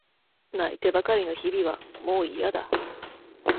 泣いてばかりの日々はもういやだ。